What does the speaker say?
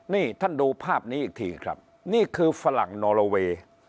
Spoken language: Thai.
นี่ท่านดูภาพนี้อีกทีครับนี่คือฝรั่งนอลโลเวย์